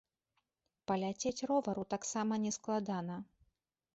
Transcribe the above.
Паляцець ровару таксама не складана.